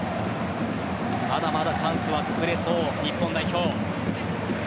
まだまだチャンスはつくれそう日本代表。